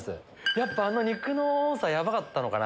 やっぱあの肉の多さヤバかったのかな。